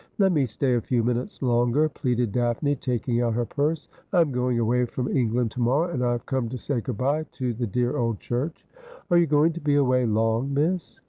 ' Let me stay a few minutes longer,' pleaded Daphne, taking out her purse. ' I am going away from England to morrow, and I have come to say good bye to the dear old church.' ' Are you going to be away long, miss